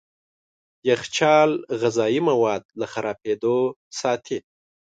يخچال غذايي مواد له خرابېدو ساتي.